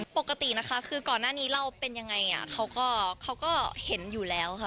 ปกตินะคะคือก่อนหน้านี้เราเป็นยังไงเขาก็เขาก็เห็นอยู่แล้วค่ะ